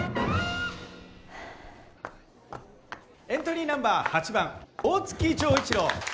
エントリーナンバー８番大月錠一郎。